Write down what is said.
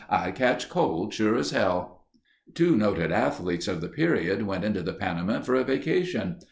"I'd catch cold, sure as hell." Two noted athletes of the period went into the Panamint for a vacation.